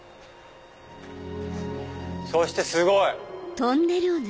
そしてすごい！